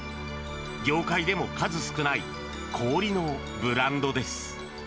業界でも数少ない氷のブランドです。